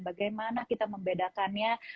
bagaimana kita membedakannya